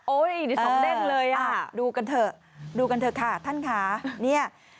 นี่ฉันเด้งเลยอ่ะดูกันเถอะดูกันเถอะค่ะท่านค่ะเนี่ย